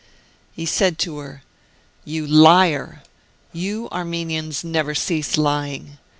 f ... He said to her: "You liar ! You [Armenians] never cease Ijing.